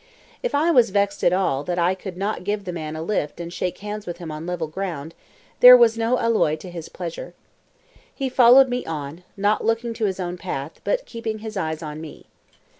If I was vexed at all that I could not give the man a lift and shake hands with him on level ground, there was no alloy to his pleasure. He followed me on, not looking to his own path, but keeping his eyes on me.